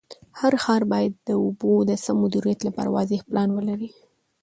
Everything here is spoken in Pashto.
هر ښار باید د اوبو د سم مدیریت لپاره واضح پلان ولري.